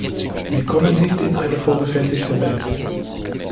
Sie kommen nicht in eine vorgefertigte Welt.